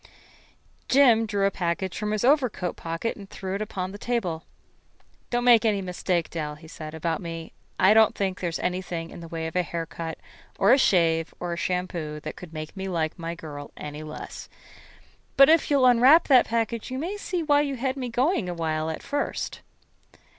Jim drew a package from his overcoat pocket and threw it upon the table. "Don't make any mistake, Dell," he said, "about me. I don't think there is anything in the way of a haircut or a shave or a shampoo that could make me like my girl any less. But if you'll unwrap that package you may see why you had me going a while at first."